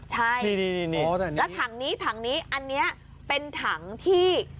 ใช่แล้วถังนี้อันนี้เป็นถังที่